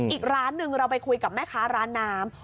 อีกร้านหนึ่งเราไปคุยกับแม่ค้าร้านน้ำ